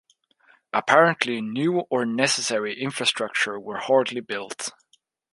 Apparently new or necessary infrastructure were hardly built.